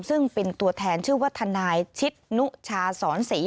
ซึ่งเป็นตัวแทนชื่อว่าทนายชิดนุชาสอนศรี